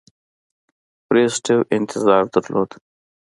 بریسټو انتظار درلود.